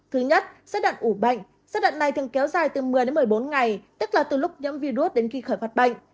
thứ nhất xét đạn ủ bệnh giai đoạn này thường kéo dài từ một mươi đến một mươi bốn ngày tức là từ lúc nhiễm virus đến khi khởi phát bệnh